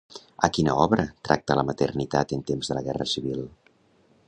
A quina obra tracta la maternitat en temps de la guerra civil?